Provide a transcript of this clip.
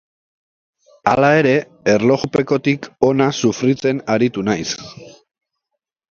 Hala ere, erlojupekotik ona sufritzen aritu naiz.